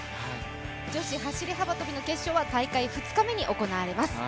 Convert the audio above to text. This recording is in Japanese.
女子走り幅跳びの決勝は大会２日目に行われます。